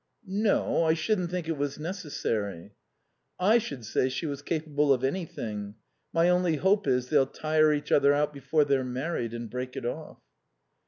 "No. I shouldn't think it was necessary." "I should say she was capable of anything. My only hope is they'll tire each other out before they're married and break it off."